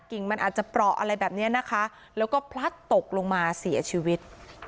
กิ่งมันอาจจะเปราะอะไรแบบนี้นะคะแล้วก็พลัดตกลงมาเสียชีวิต